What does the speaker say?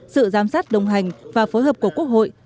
sự giám sát đồng hành và phối hợp của quốc hội